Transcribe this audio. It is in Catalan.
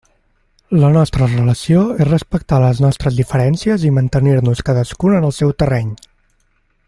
La nostra relació és respectar les nostres diferències i mantenir-nos cadascun en el seu terreny.